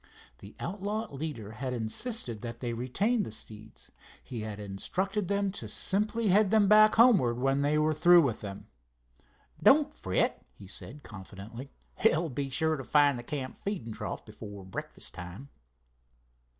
The outlaw leader had insisted that they retain the steeds. He had instructed them to simply head them back homewards when they were through with them. "Don't fret," he had said, confidently, "they'll be sure to find the camp feeding trough before breakfast time."